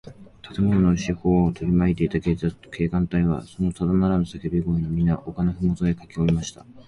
建物の四ほうをとりまいていた警官隊は、そのただならぬさけび声に、みな丘のふもとへかけおりました。